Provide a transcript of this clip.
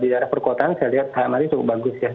di daerah perkotaan saya lihat selama ini cukup bagus ya